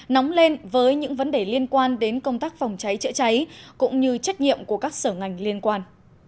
nóng lên với những vấn đề liên quan đến công tác phòng cháy chữa cháy cũng như trách nhiệm của các sở ngành liên quan